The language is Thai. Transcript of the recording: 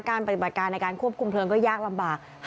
ปฏิบัติการในการควบคุมเพลิงก็ยากลำบาก